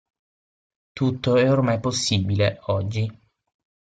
Tutto è ormai possibile, oggi.